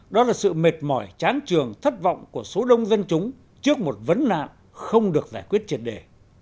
đó là sự mệt mỏi chán trường thất vọng của số đông dân chúng trước một vấn nạn không được giải quyết triệt đề